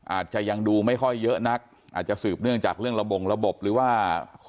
อาจจะยังดูไม่ค่อยเยอะนักอาจจะสืบเนื่องจากเรื่องระบงระบบหรือว่า